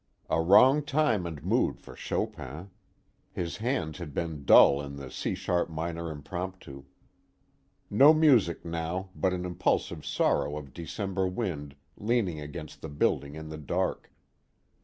A wrong time and mood for Chopin: his hands had been dull in the C sharp Minor Impromptu. No music now, but an impulsive sorrow of December wind leaning against the building in the dark.